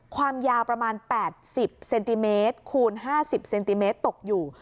ความยาวประมาณ๘๐เซนติเมตรคูณ๕๐เซนติเมตรตกอยู่